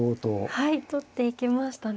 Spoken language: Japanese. はい取っていきましたね。